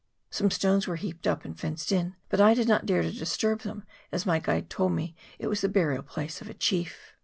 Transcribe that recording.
Some stones were heaped up and fenced in, but I did not dare to disturb them, as my guide told me it was the burial place of a chief.